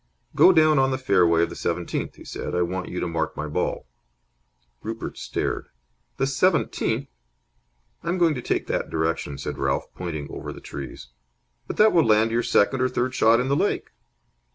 "Go down on to the fairway of the seventeenth," he said. "I want you to mark my ball." Rupert stared. "The seventeenth!" "I am going to take that direction," said Ralph, pointing over the trees. "But that will land your second or third shot in the lake."